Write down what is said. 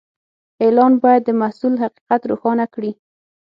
اعلان باید د محصول حقیقت روښانه کړي.